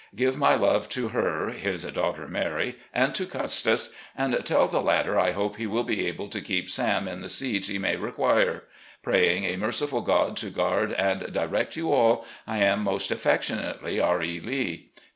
... Give my love to her [his daughter Mary] and to Custis, and tell the latter I hope that he will be able to keep Sam in the seeds he may require. Praying a merciful God to g^uard and direct you all, I am, "Most affectionately, R. E. Lee.